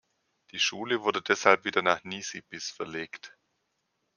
Die Schule wurde deshalb wieder nach Nisibis verlegt.